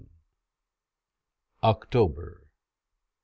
] OCTOBER.